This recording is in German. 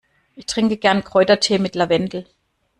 Ich trinke gerne Kräutertee mit Lavendel.